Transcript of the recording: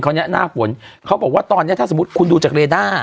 เนี้ยหน้าฝนเขาบอกว่าตอนนี้ถ้าสมมุติคุณดูจากเรด้า